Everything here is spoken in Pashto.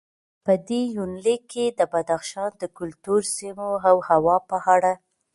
په دې یونلیک کې د بدخشان د کلتور، سیمو او هوا په اړه